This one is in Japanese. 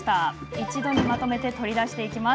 一度にまとめて取り出していきます。